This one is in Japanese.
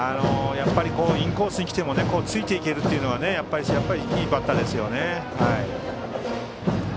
インコースに来てもついていけるというのはやはり、いいバッターですよね。